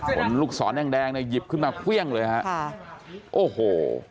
ลูกศรแดงแดงเนี่ยหยิบขึ้นมาเครื่องเลยฮะค่ะโอ้โห